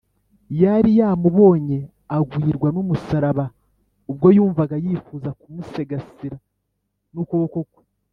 yari yamubonye agwirwa n’umusaraba, ubwo yumvaga yifuza kumusegasira n’ukuboko kwe